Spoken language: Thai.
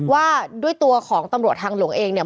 ว่าด้วยตัวของตำรวจทางหลวงเองเนี่ย